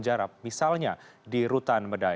jadi sebagai tukang turba ya